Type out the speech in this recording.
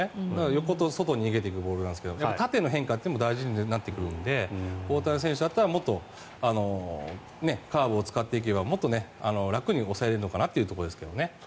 横と外に逃げていくボールなんですけど縦の変化も大事になってくるので大谷選手だったらもっとカーブを使っていけばもっと楽に抑えられるのかなというところですね。